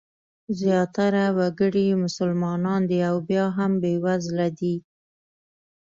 زیاتره وګړي یې مسلمانان دي او بیا هم بېوزله دي.